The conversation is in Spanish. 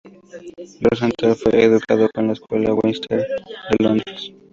Rosenthal fue educado en la Escuela Westminster, de Londres.